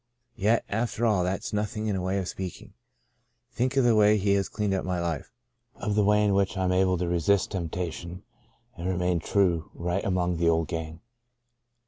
Yet after all that's nothing in a way of speaking. Think of the way He has cleaned up my life !— of the way in which I am able to resist tempta tion and remain true right among the old gang.